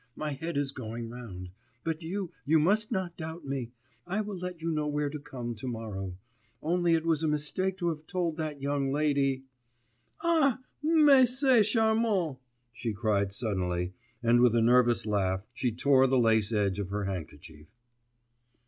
My head is going round. But you, you must not doubt me.... I will let you know where to come to morrow. Only it was a mistake to have told that young lady.... Ah, mais c'est charmant!' she cried suddenly and with a nervous laugh, she tore the lace edge of her handkerchief.